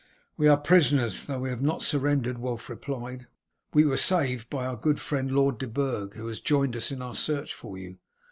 "We are prisoners, though we have not surrendered," Wulf replied. "We were saved by our good friend Lord de Burg, who has joined us in our search for you.